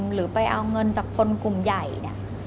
หรือไปเอาเงินจากคนกลุ่มใหญ่เนี่ย